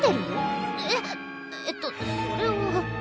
えっえっとそれは。